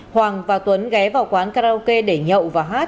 hoàng và tuấn ghé vào quán karaoke để nhậu và hát